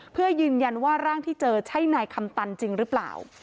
เพื่อยืนยันว่าร่างที่เจอใช่นายคำตันจริงหรือเปล่า